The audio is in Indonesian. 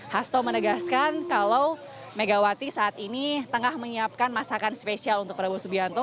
hasto menegaskan kalau megawati saat ini tengah menyiapkan masakan spesial untuk prabowo subianto